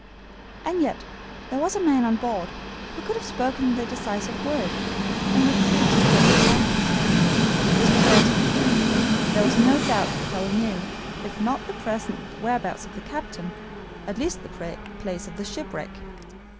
And yet there was a man on board who could have spoken the decisive word, and refused to break his silence. This was Ayrton. There was no doubt the fellow knew, if not the present whereabouts of the captain, at least the place of shipwreck.